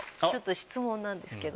質問なんですけど。